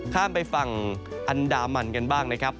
ข้ามไปฝั่งอันดามันกันบ้างนะครับ